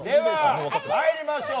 では、参りましょう。